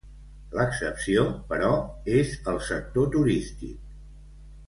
L'excepció, però, és el sector turístic.